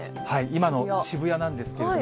今の渋谷なんですけれども。